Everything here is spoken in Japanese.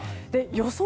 予想